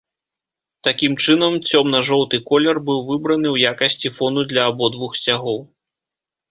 Такім чынам, цёмна-жоўты колер быў выбраны ў якасці фону для абодвух сцягоў.